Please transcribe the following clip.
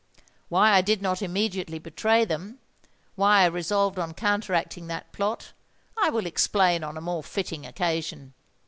Why I did not immediately betray them—why I resolved on counteracting that plot, I will explain on a more fitting occasion.